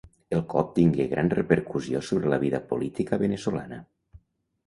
El cop tingué gran repercussió sobre la vida política veneçolana.